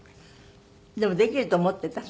でもできると思ってた？